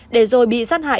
để rồi bị sát hại